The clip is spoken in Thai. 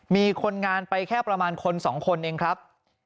มีคนงานไปแค่ประมาณคน๒คนเองครับ